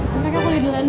mereka kuliah di london